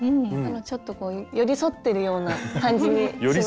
ちょっとこう寄り添ってるような感じにしました。